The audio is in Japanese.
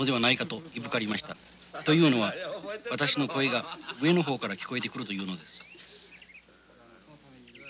というのは私の声が上の方から聞こえてくるというのです